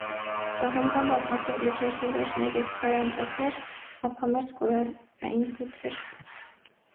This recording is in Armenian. Կղզում կան բազմաթիվ լճեր, ջրվեժներ և քարանձավներ, ափամերձ կորալային խութեր։